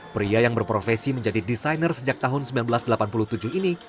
pria yang berprofesi menjadi desainer sejak tahun seribu sembilan ratus delapan puluh tujuh ini